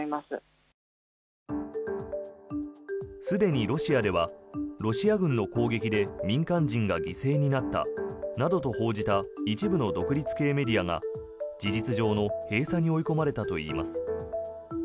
すでにロシアではロシア軍の攻撃で民間人が犠牲になったなどと報じた一部の独立系メディアが事実上の閉鎖に追い込まれたといいます。